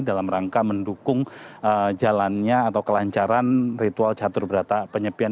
dalam rangka mendukung jalannya atau kelancaran ritual catur berata penyepian